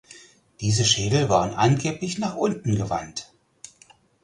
Diese Schädel waren angeblich nach unten gewandt.